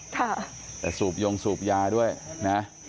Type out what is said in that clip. แต่สูบยงสูบยาด้วยนะ